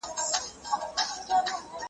ويل پلاره ما ټول كال زحمت ايستلى .